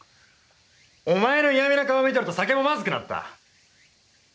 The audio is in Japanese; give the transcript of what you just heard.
お前の嫌味な顔を見てると酒もまずくなった。